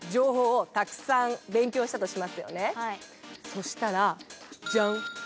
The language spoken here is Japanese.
そしたらジャン。